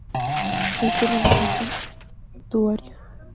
El Cuerno de Oro es un estuario.